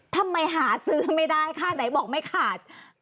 ทำไมหาซื้อไม่ได้ค่าไหนบอกไม่ขาด